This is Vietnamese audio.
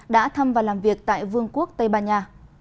đã thăm và làm việc tại vương quốc tây ban nha